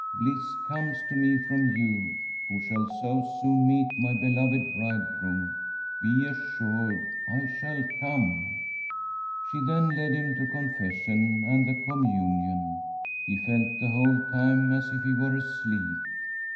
Bliss comes to me from you, who shall so soon meet my beloved Bridegroom. Be assured I shall come.' She then led him to confession and the Com munion. He felt the whole time as if he were asleep.